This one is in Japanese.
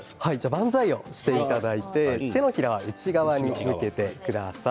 万歳をしていただいて手のひらは内側に向けてください